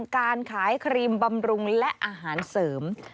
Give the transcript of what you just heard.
การขายครีมบำรุงและอาหารเสริม